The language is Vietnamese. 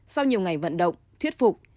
sau nhiều ngày vận động thuyết phục